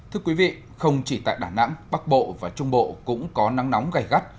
thưa quý vị không chỉ tại đà nẵng bắc bộ và trung bộ cũng có nắng nóng gây gắt